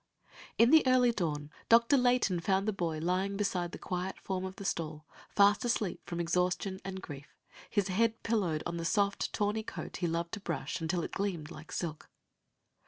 In the early dawn, Dr. Layton found the boy lying beside the quiet form in the stall, fast asleep from exhaustion and grief, his head pillowed on the soft, tawny coat he had loved to brush until it gleamed like silk.